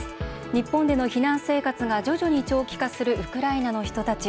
日本での避難生活が徐々に長期化するウクライナの人たち。